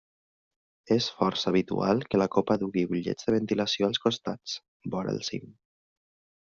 És força habitual que la copa dugui ullets de ventilació als costats, vora el cim.